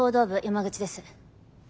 山口です。